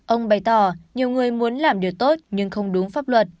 ông bày tỏ nhiều người muốn làm điều tốt nhưng không đúng pháp luật